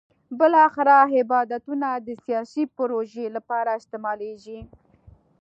بالاخره عبادتونه د سیاسي پروژې لپاره استعمالېږي.